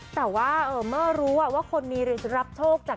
แต่ว่าเมื่อรู้อ่ะว่าคนมีในเรียนรับโชคจาก